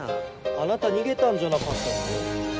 あなたにげたんじゃなかったの？